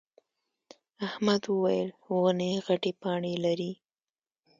احمد وويل: ونې غتې پاڼې لري.